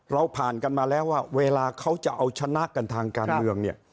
เราผ่านกันมาแล้วว่าเวลาเขาจะเอาชนะกันทางการเมืองเนี่ย